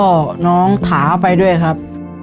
ของหนองถาไปด้วยครับ